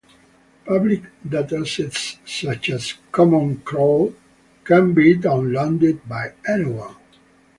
Public datasets such as Common Crawl can be downloaded by anyone.